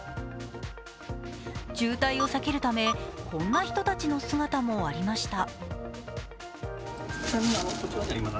渋滞を避けるためこんな人たちの姿もありました。